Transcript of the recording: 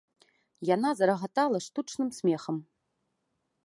Яна зарагатала штучным смехам.